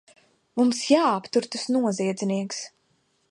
Mums jāaptur tas noziedznieks!